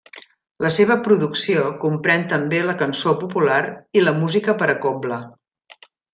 La seva producció comprèn també la cançó popular i la música per a cobla.